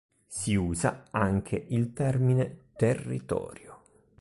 Si usa anche il termine "territorio".